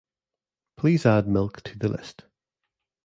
Please add milk to the list.